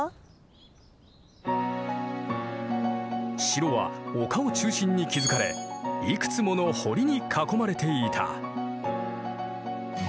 城は丘を中心に築かれいくつもの堀に囲まれていた。